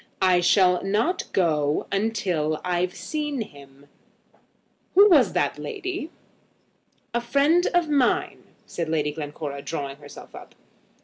"I shall not go till I've seen him. Who was that lady?" "A friend of mine," said Lady Glencora, drawing herself up.